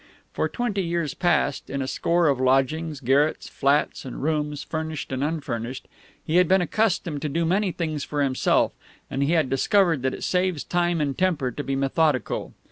For twenty years past, in a score of lodgings, garrets, flats, and rooms furnished and unfurnished, he had been accustomed to do many things for himself, and he had discovered that it saves time and temper to be methodical.